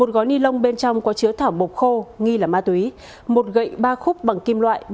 một gói ni lông bên trong có chứa thảo mộc khô nghi là ma túy một gậy ba khúc bằng kim loại